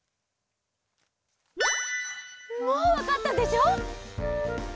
もうわかったでしょ？